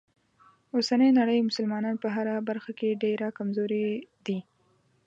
اوسنۍ نړۍ مسلمانان په هره برخه کې ډیره کمزوری دي.